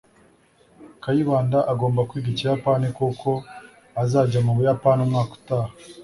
Kayibanda agomba kwiga Ikiyapani kuko azajya mu Buyapani umwaka utaha.